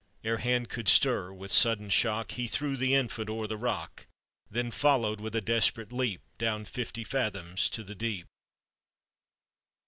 Ere hand could stir, with sudden shock He threw the infant o'er the rock; Then followed with a desperate leap, Down fifty fathoms to the deep.